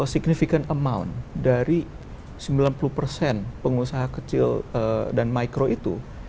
significant amount dari sembilan puluh pengusaha kecil dan micro itu